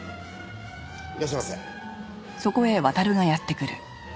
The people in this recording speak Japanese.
いらっしゃいませ。